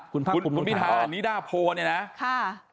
คุณภิษฐานิดาโพเนี่ยนะ